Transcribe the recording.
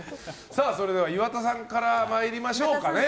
それでは岩田さんから参りましょうかね。